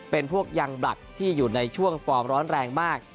เป็นพวกยังบลักที่อยู่ในช่วงฟอร์มร้อนแรงมาก